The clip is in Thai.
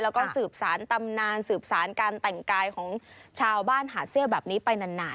แล้วก็สืบสารตำนานสืบสารการแต่งกายของชาวบ้านหาเสื้อแบบนี้ไปนาน